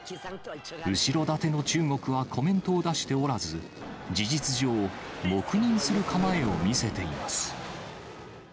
後ろ盾の中国はコメントを出しておらず、事実上、黙認する構えを見せています。